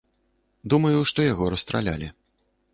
Думаю, што яго расстралялі.